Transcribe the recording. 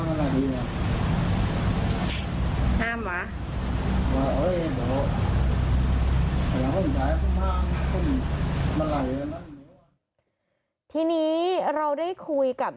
มีอะไรอยู่อยากมาเหมือนกันแล้วก็คุยกับทีนี้เราได้คุยกับ